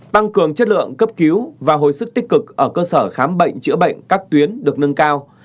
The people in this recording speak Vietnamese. tăng cường chất lượng cấp cứu và hồi sức tích cực ở cơ sở khám bệnh chữa bệnh các tuyến được nâng cao